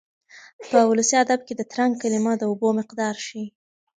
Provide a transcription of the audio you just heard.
په ولسي ادب کې د ترنګ کلمه د اوبو مقدار ښيي.